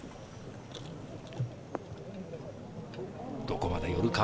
どこまで寄るか？